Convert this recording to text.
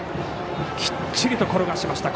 きっちりと転がしました。